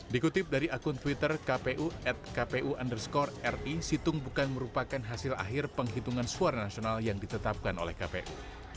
dikutip dari akun twitter kpu at kpu underscore ri situng bukan merupakan hasil akhir penghitungan suara nasional yang ditetapkan oleh kpu